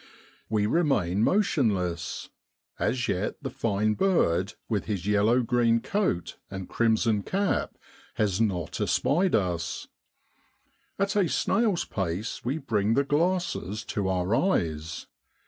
We remain motion less; as yet the fine bird with his yellow green coat and crimson cap has not es pied us. At a snail's pace we bring the glasses to our eyes.